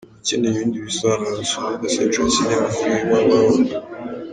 Ukeneye ibindi bisobanuro wasura urubuga Century Cinema kuri www.